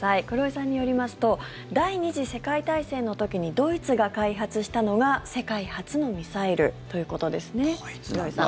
黒井さんによりますと第２次世界大戦の時にドイツが開発したのが世界初のミサイルということですね。